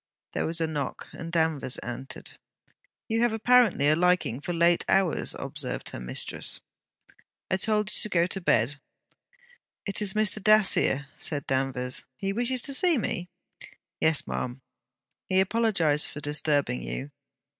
There was a knock, and Danvers entered. 'You have apparently a liking for late hours,' observed her mistress. 'I told you to go to bed.' 'It is Mr. Dacier,' said Danvers. 'He wishes to see me?' 'Yes, ma'am. He apologized for disturbing you.'